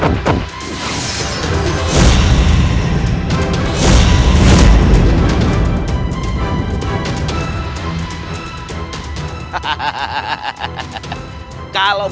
jangan lupa untukoque "